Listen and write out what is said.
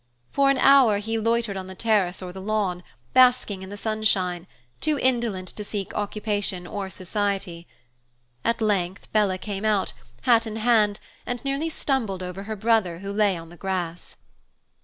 For an hour he loitered on the terrace or the lawn, basking in the sunshine, too indolent to seek occupation or society. At length Bella came out, hat in hand, and nearly stumbled over her brother, who lay on the grass.